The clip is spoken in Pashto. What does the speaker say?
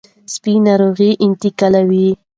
سپي ناروغي انتقالوي.